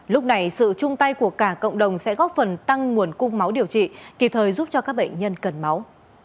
lúc này sự chung tay của cả cộng đồng sẽ góp phần tăng nguồn cung máu điều trị kịp thời giúp cho các bệnh nhân cần máu